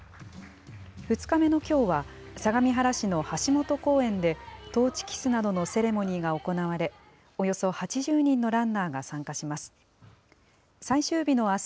２日目のきょうは、相模原市の橋本公園で、トーチキスなどのセレモニーが行われ、およそ８０人のランナーが参加します。